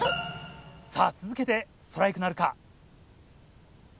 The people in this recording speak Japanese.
さぁ続けてストライクなるか？